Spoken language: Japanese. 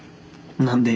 何で？